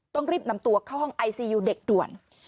ต้องรีบนำตัวเข้าห้องไอซียูเด็กด่วน